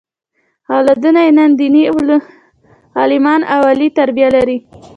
اولادونه یې نن دیني عالمان او عالي تربیه لري.